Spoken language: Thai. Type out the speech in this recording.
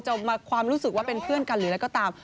ความรู้สึกว่าเป็นเพื่อนกันหรืออะไรก็ตาม